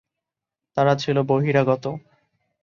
তারা ছিল বহিরাগত।